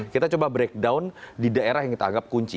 kita coba breakdown di daerah yang kita anggap kunci